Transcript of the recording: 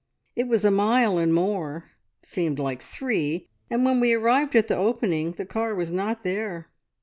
"It was a mile, and more. It seemed like three, and when we arrived at the opening the car was not there.